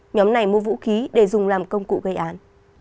nhóm này mua vũ khí để dùng làm công cụ gây án